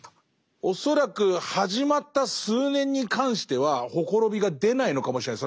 恐らく始まった数年に関してはほころびが出ないのかもしれないです